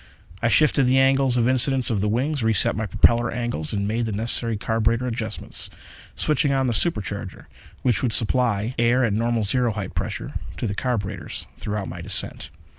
I shifted the angles of incidence of the wings, re set my propeller angles and made the necessary carburetor adjustments, switching on the supercharger which would supply air at normal zero height pressure to the carburetors throughout my descent.